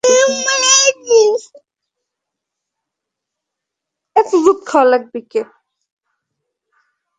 সম্প্রীতি এই বিদ্যালয়ের একটি ওয়েব পোর্টাল তৈরি করা হয়েছে।